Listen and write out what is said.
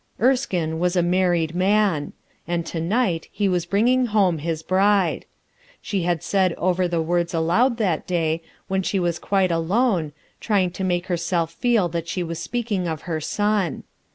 Erskine was a married man; and to night he was bringing h ome his bride. She had said over the words aloud that day, when she was quite alone, trying to make herself feel that she was speaking of her son.